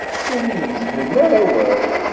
Ur yi-gezzmem ara awal.